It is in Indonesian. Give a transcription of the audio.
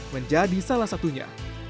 menjadi salah satunya